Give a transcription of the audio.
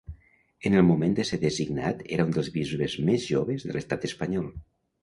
En el moment de ser designat era un dels bisbes més joves de l'Estat espanyol.